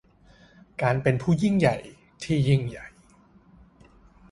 การเป็นผู้ยิ่งใหญ่ที่ยิ่งใหญ่